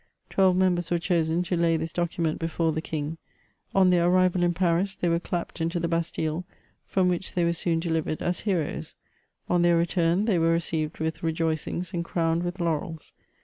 '' Twelve members were chosen to lay this document before the king ; on their arrival in Paris, they were clapped into the Bastille, from which they were soon de^ livered as heroes ; on their return they were received with re joicings and crowned with laurels.